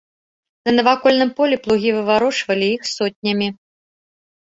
На навакольным полі плугі выварочвалі іх сотнямі.